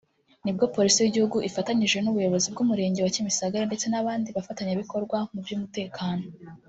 nibwo Polisi y’igihugu ifatanyije n’ubuyobozi bw’umurenge wa Kimisagara ndetse n’abandi bafatanyabikorwa mu by’umutekano